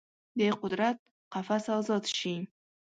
د قدرت قفس ازاد شي